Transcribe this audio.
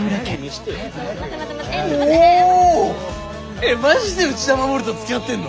えっマジで内田衛とつきあってんの？